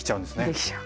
できちゃう。